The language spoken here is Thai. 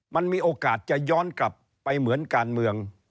มันมีโอกาสจะย้อนกลับไปเหมือนการเมือง